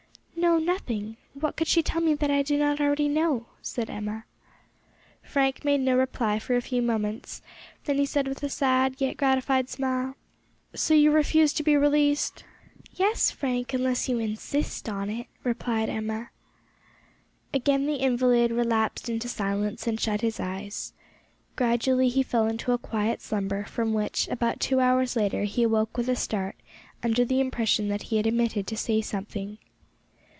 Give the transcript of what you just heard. "No, nothing; what could she tell me that I do not already know?" said Emma. Frank made no reply for a few moments, then he said with a sad yet gratified smile "So you refuse to be released?" "Yes, Frank, unless you insist on it," replied Emma. Again the invalid relapsed into silence and shut his eyes. Gradually he fell into a quiet slumber, from which, about two hours later, he awoke with a start under the impression that he had omitted to say something.